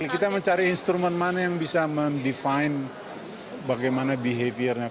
kita mencari instrumen mana yang bisa mendefine bagaimana behaviornya